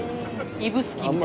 指宿みたいに。